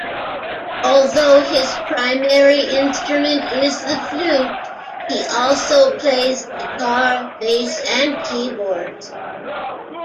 Although his primary instrument is the flute, he also plays guitar, bass, and keyboards.